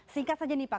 singkat saja nih pak